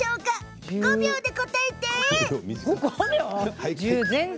５秒で答えて！